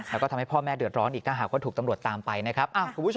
แล้วก็ทำให้พ่อแม่เดือดร้อนอีกถ้าหากว่าถูกตำรวจตามไปนะครับ